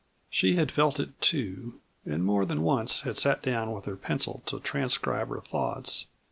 She had felt it, too, and more than once had sat down with her pencil to transcribe her thoughts.